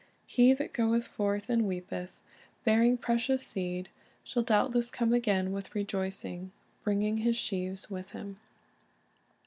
"He that goeth forth and weepeth, bearing precious seed, shall doubtless come again with rejoicing, bringing his sheaves with him."